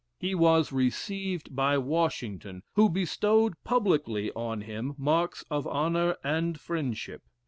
He was received by Washington, who bestowed publicly on him marks of honor and friendship.